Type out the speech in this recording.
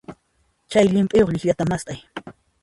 Chay llimp'iyuq llikllata mast'ay.